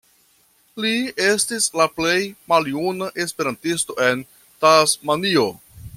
Li estis la plej maljuna esperantisto en Tasmanio.